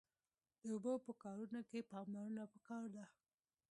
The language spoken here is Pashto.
د اوبو په کارونه کښی پاملرنه پکار ده